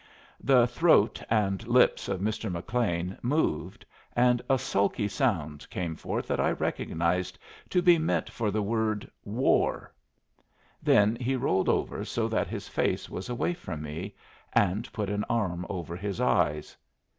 The throat and lips of Mr. McLean moved, and a sulky sound came forth that I recognized to be meant for the word "War." Then he rolled over so that his face was away from me, and put an arm over his eyes.